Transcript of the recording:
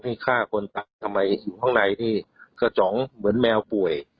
ฆ่าคนตายทำไมอยู่ข้างในที่กระจ๋องเหมือนแมวป่วย